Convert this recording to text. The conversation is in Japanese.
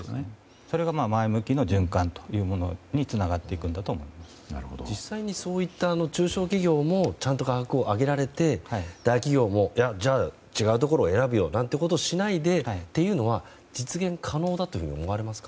それが前向きな循環というものに実際に中小企業もちゃんと価格を上げられて大企業も違うところを選ぶよなんていうことをしないよなんていうことは実現可能だと思われますか？